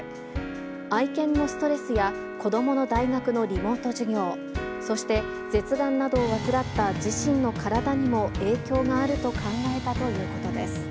愛犬のストレスや、子どもの大学のリモート授業、そして舌がんなどを患った自身の体にも影響があると考えたということです。